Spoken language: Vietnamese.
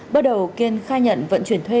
bắt đầu kiên khai nhận vận chuyển thuê